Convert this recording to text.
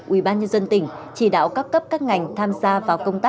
ủy ban nhân dân tỉnh chỉ đạo cấp cấp các ngành tham gia vào công tác